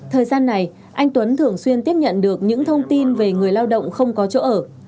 thời gian này anh tuấn thường xuyên tiếp nhận được những thông tin về người lao động không có chỗ ở